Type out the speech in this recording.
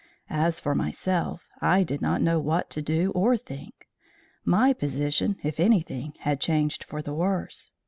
As for myself, I did not know what to do or think. My position, if anything, had changed for the worse.